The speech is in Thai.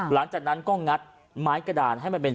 หลังจากนั้นก็งัดไม้กระดาน